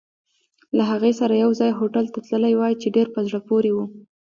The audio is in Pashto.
له هغې سره یوځای هوټل ته تللی وای، چې ډېر په زړه پورې وو.